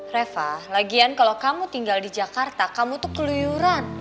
reva lagian kalau kamu tinggal di jakarta kamu tuh keluyuran